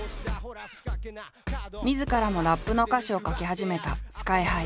みずからもラップの歌詞を書き始めたＳＫＹ−ＨＩ。